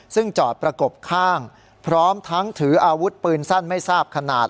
ซึ่งจอดประกบข้างพร้อมทั้งถืออาวุธปืนสั้นไม่ทราบขนาด